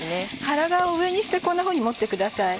腹側を上にしてこんなふうに持ってください。